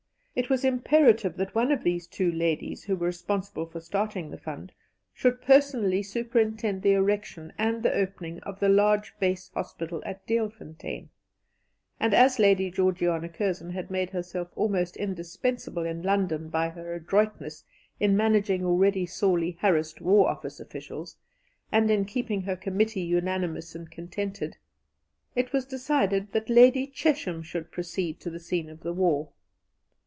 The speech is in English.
It was imperative that one of these two ladies, who were responsible for starting the fund, should personally superintend the erection and the opening of the large base hospital at Deelfontein, and as Lady Georgiana Curzon had made herself almost indispensable in London by her adroitness in managing already sorely harassed War Office officials, and in keeping her committee unanimous and contented, it was decided that Lady Chesham should proceed to the scene of the war.